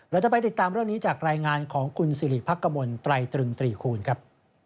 เราจะไปติดตามเรื่องนี้จากรายงานของคุณสิริพักกมลไตรตรึงตรีคูณครับ